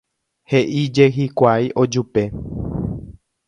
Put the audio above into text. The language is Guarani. He'íje hikuái ojupe.